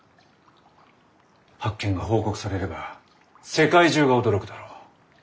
発見が報告されれば世界中が驚くだろう。